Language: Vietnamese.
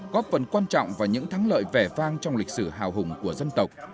góp phần quan trọng và những thắng lợi vẻ vang trong lịch sử hào hùng của dân tộc